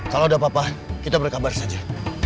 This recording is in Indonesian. kalau ada apa apa kita berkabar saja